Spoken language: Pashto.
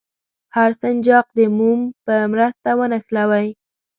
هر سنجاق د موم په مرسته ونښلوئ.